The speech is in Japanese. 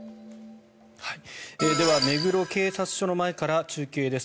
では、目黒警察署の前から中継です。